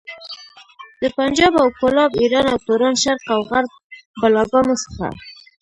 د پنجاب او کولاب، ايران او توران، شرق او غرب بلاګانو څخه.